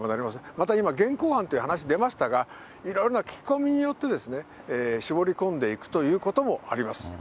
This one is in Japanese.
また今、現行犯という話出ましたが、いろいろな聞き込みによって絞り込んでいくということもあります。